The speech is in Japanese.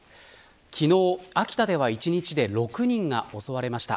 昨日、秋田では１日に６人が襲われました。